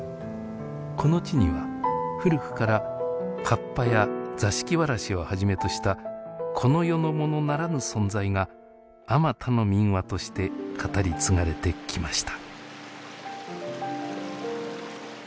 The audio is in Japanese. この地には古くからカッパや座敷わらしをはじめとしたこの世のものならぬ存在があまたの民話として語り継がれてきました。